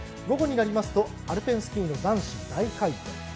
午後になりますとアルペンスキーの男子大回転。